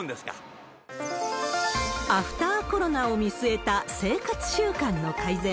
アフターコロナを見据えた生活習慣の改善。